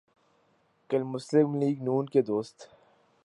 کل مسلم لیگ ن کے دوست